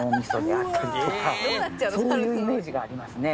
そういうイメージがありますね。